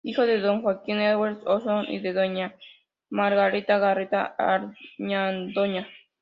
Hijo de don Joaquín Edwards Ossandón y de doña Margarita Garriga Argandoña.